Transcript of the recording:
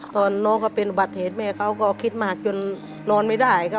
ตอนน้องเขาเป็นอุบัติเหตุแม่เขาก็คิดมากจนนอนไม่ได้ครับ